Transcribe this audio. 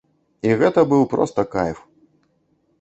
І гэта быў проста кайф.